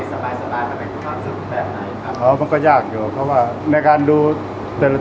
สวัสดีครับผมชื่อสามารถชานุบาลชื่อเล่นว่าขิงถ่ายหนังสุ่นแห่ง